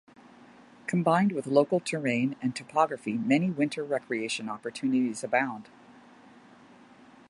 Combined with local Terrain and Topography many Winter Recreation opportunities abound.